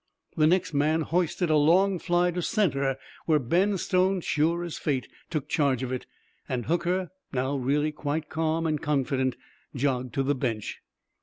The next man hoisted a long fly to center, where Ben Stone, sure as fate, took charge of it; and Hooker, now really quite calm and confident, jogged to the bench.